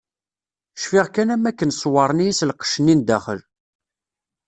Cfiɣ kan am wakken ṣewren-iyi s lqecc-nni n daxel.